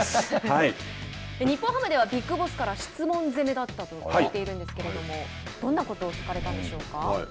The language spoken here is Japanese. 日本ハムではビッグボスから質問攻めだったと聞いているんですけれどもどんなことを聞かれたんでしょうか。